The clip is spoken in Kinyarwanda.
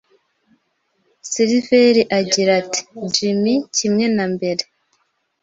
Silver agira ati: “Jim kimwe na mbere.